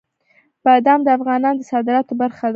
بادام د افغانستان د صادراتو برخه ده.